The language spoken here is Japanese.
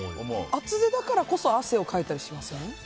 厚手だからこそ汗をかいたりしません？